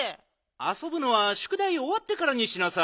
あそぶのはしゅくだいおわってからにしなさい。